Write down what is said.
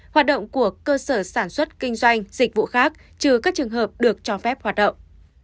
hoạt động của cơ sở sản xuất kinh doanh dịch vụ khác trừ các trường hợp được cho phép hoạt động